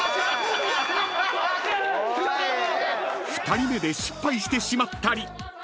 ［２人目で失敗してしまったり］